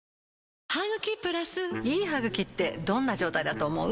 いい歯ぐきってどんな状態だと思う？